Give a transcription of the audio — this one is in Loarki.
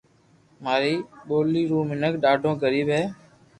ماري ٻولي رو مينک ڌاڌو غريب ھي